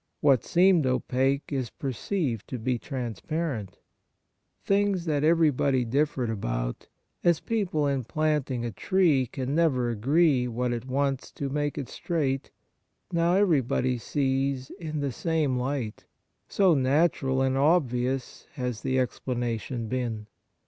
What seemed opaque is perceived to be trans parent. Things that everybody differed about, as people in planting a tree can never agree what it wants to make it straight, now everyone sees in the same light, so natural and obvious has the explanation been.